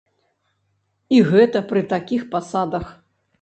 І гэта пры такіх пасадах!